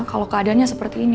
kalau keadaannya seperti ini